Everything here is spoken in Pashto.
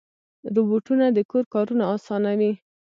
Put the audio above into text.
روبوټونه د کور کارونه اسانوي.